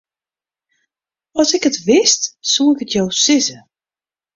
As ik it wist, soe ik it jo sizze.